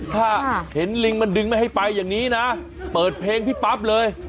ถ้าเห็นลิงมันดึงไม่ให้ไปอย่างนี้นะเปิดเพลงที่ปั๊บเลย